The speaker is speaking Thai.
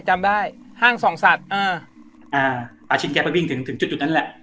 จำได้ห้างส่องสัตว์อ่าปาชิดแกไปวิ่งถึงถึงจุดนั้นแหละ